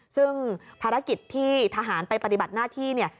ซึ่งภารกิจที่ทหารไปปฏิบัติหน้าที่เนี่ย